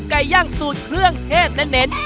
ไก่ย่างสูตรเครื่องเทศเน้น